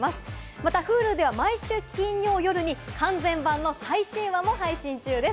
またＨｕｌｕでは毎週金曜夜に完全版の最新話も配信中です。